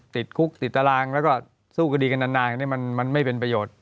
ติดคุกติดตารางแล้วก็สู้คดีกันนานมันไม่เป็นประโยชน์